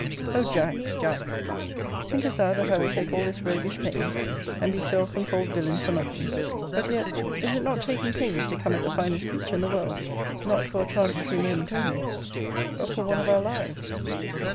O Jack, Jack! thinkest thou that I will take all this roguish pains, and be so often called villain for nothing? But yet, is it not taking pains to come at the finest creature in the world, not for a transitory moment only, but for one of our lives!